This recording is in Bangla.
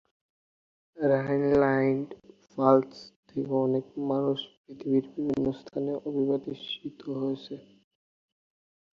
রাইনলান্ড-ফালৎস থেকে অনেক মানুষ পৃথিবীড় বিভিন্ন স্থানে অভিবাসিত হয়েছে।